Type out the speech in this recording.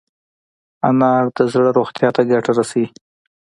انار د زړه روغتیا ته ګټه رسوي.